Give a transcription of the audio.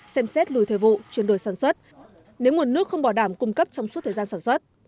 xem xét lùi thời vụ chuyển đổi sản xuất nếu nguồn nước không bỏ đảm cung cấp trong suốt thời gian sản xuất